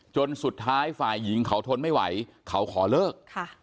จนสุดท้ายฝ่ายหญิงเขาทนไม่ไหวเขาขอเลิก